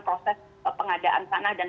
proses pengadaan tanah dan